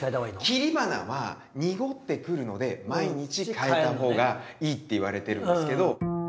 切り花は濁ってくるので毎日替えた方がいいっていわれてるんですけど。